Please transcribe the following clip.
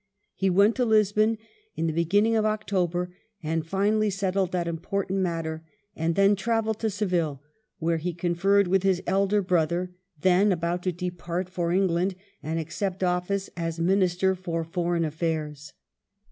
He went to Lisbon in the beginning of October and finally settled that im portant matter, and then travelled to Seville, where he conferred with his elder brother, then about to depart for England and accept office as Minister for Foreign Aflfairs.